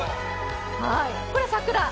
これは桜。